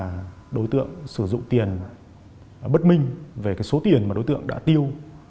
từ việc đối tượng sử dụng tiền bất minh về số tiền đối tượng đã tiêu